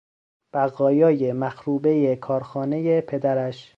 بقایای مخروبهی کارخانهی پدرش